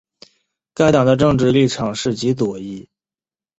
该党的政治立场是极左翼。